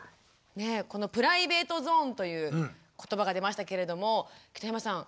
この「プライベートゾーン」という言葉が出ましたけれども北山さん